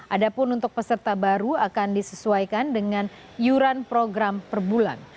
ada pun untuk peserta baru akan disesuaikan dengan iuran program per bulan